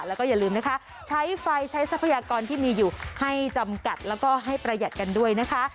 แล้วก็อย่าลืมนะคะใช้ไฟใช้ทรัพยากรที่มีอยู่ให้จำกัดแล้วก็ให้ประหยัดกันด้วยนะคะ